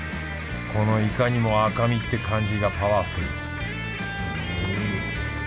このいかにも赤身って感じがパワフル